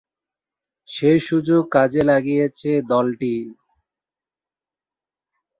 তিনি নাট্য-বৃক্ষের প্রতিষ্ঠাতা ও সভাপতি এবং নাট্য বৃক্ষ নৃত্য সংস্থার শৈল্পিক পরিচালক।